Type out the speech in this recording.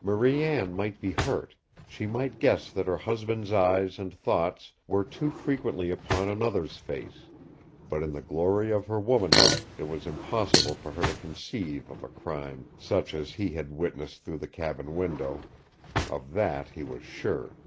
Marie Anne might be hurt, she might guess that her husband's eyes and thoughts were too frequently upon another's face but in the glory of her womanhood it was impossible for her to conceive of a crime such as he had witnessed through the cabin window. Of that he was sure.